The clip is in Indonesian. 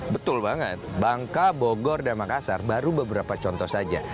betul banget bangka bogor dan makassar baru beberapa contoh saja